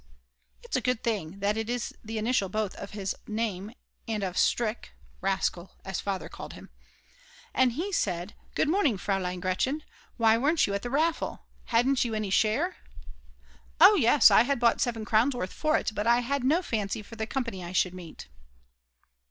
(it's a good thing that is the initial both of his name and of Strick [rascal] as Father called him) and he said: "Good morning, Fraulein Gretchen. Why weren't you at the raffle? Hadn't you any share?" "Oh yes, I had bought 7 crowns worth for it, but I had no fancy for the company I should meet."